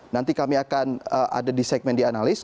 nanti kami akan ada di segmen dianalis